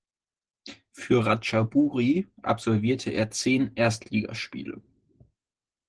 Für Ratchaburi absolvierte er zehn Erstligaspiele.